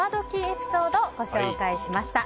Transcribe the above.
エピソードご紹介しました。